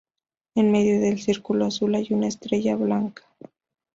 En medio del círculo azul hay una estrella blanca.